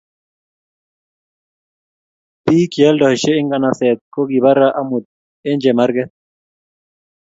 pik che yaldaishe en nganaset ko kokipara amut en chemarket